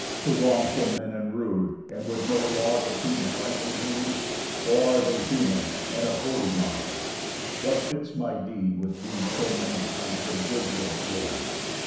To wrongful men and rude, And with no laws of human right endued? Or are they human, and of holy minds? What fits my deed with these so many kinds Of goods late giv'n?